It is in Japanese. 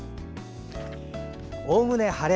おおむね晴れ。